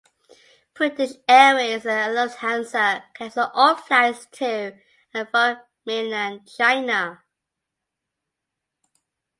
British Airways and Lufthansa cancel all flights to and from mainland China.